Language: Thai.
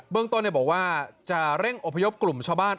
เมืองต้นบอกว่าจะเร่งอพยพกลุ่มชาวบ้าน